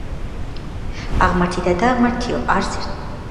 აღმართი და დაღმართიო, არც ერთია წაღმართი